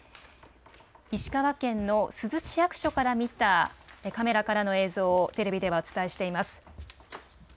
石川県の珠洲市役所から見たカメラからの映像をテレビではお伝えしています。